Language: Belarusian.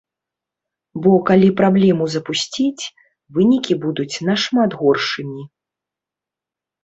Бо калі праблему запусціць, вынікі будуць нашмат горшымі.